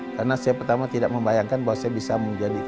karena saya pertama tidak membayangkan bahwa saya bisa menjadi